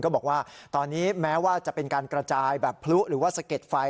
บอกว่าตอนนี้แม้ว่าจะเป็นการกระจายแบบพลุหรือว่าสะเก็ดไฟ